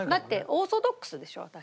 オーソドックスでしょ私。